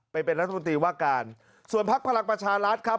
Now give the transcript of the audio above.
ไปเป็นรัฐบนตรีว่าการส่วนภักดิ์ภลักษณ์ประชาลัดครับ